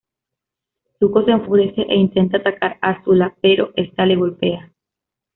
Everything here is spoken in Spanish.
Zuko se enfurece e intenta atacar a Azula, pero esta le golpea.